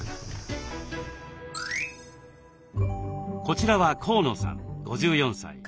こちらは河野さん５４歳。